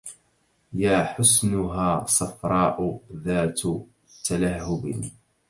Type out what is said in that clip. يا حسنها صفراء ذات تلهب